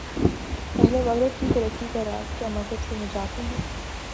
اہل مغرب کی ترقی کا راز کیا مذہب سے نجات میں ہے؟